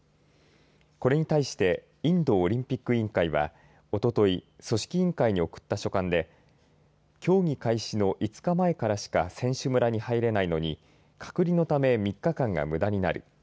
これに対してインドオリンピック委員会はおととい組織委員会に送った書簡で競技開始の５日前からしか選手村に入れないのに隔離のため３日間がむだになる。